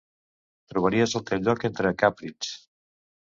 Trobaries el teu lloc entre càprids.